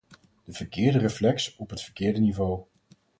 De verkeerde reflex op het verkeerde niveau.